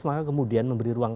maka kemudian memberi ruang